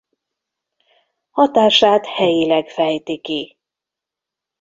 Hatását helyileg fejti ki.